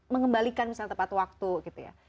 mengembalikan misalnya tepat waktu gitu ya